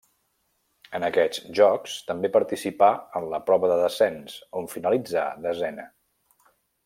En aquests Jocs també participà en la prova de descens, on finalitzà desena.